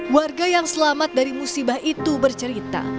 warga yang selamat dari musibah itu bercerita